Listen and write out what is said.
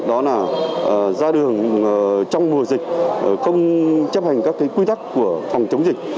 đó là ra đường trong mùa dịch không chấp hành các quy tắc của phòng chống dịch